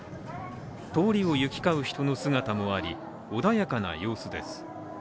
通りを行き交う人たちの姿もあり穏やかな様子です。